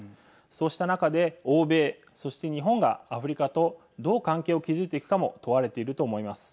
そうした中で欧米、そして日本がアフリカとどう関係を築いていくかも問われていると思います。